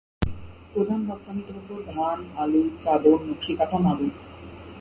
প্রধান রপ্তানিদ্রব্য ধান, আলু, চাদর, নকশিকাঁথা, মাদুর।